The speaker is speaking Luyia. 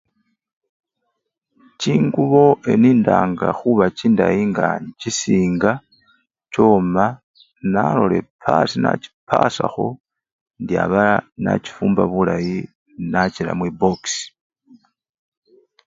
Chingubo enindanga khuba chindayi nga inchisinga choma nalola epasi nachipasakho indi aba nachifumba bulayi nachira mwibpox.